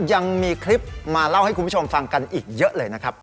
ยังมีคลิปมาเล่าให้คุณผู้ชมฟังกันอีกเยอะเลยนะครับ